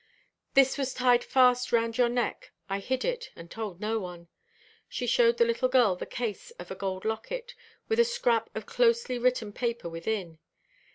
"This was tied fast round your neck. I hid it, and told no one." She showed the little girl the case of a gold locket, with a scrap of closely written paper within.